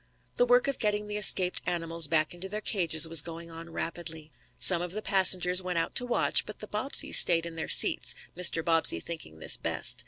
The work of getting the escaped animals back into their cages was going on rapidly. Some of the passengers went out to watch, but the Bobbseys stayed in their seats, Mr. Bobbsey thinking this best.